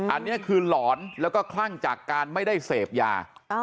อันนี้คือหลอนแล้วก็คลั่งจากการไม่ได้เสพยา